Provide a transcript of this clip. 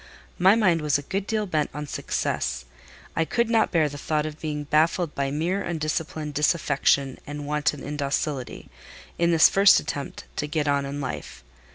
My mind was a good deal bent on success: I could not bear the thought of being baffled by mere undisciplined disaffection and wanton indocility, in this first attempt to get on in life.